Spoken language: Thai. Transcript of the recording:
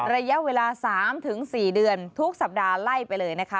ระยะเวลา๓๔เดือนทุกสัปดาห์ไล่ไปเลยนะคะ